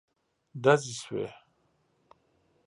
ډزې شوې.